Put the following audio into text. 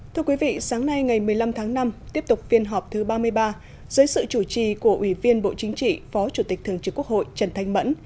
thưa quý vị sáng nay ngày một mươi năm tháng năm tiếp tục phiên họp thứ ba mươi ba dưới sự chủ trì của ủy viên bộ chính trị phó chủ tịch thường trực quốc hội trần thanh mẫn